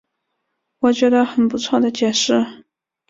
我觉得很不错的解释